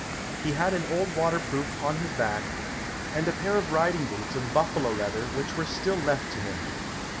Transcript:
He had an old waterproof on his back, and a pair of riding boots of buffalo leather which were still left to him.